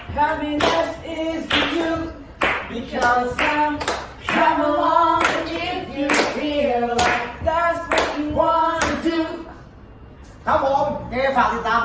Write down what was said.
ครับผมให้ฝากติดตามผลงานของพวกเราด้วยนะครับ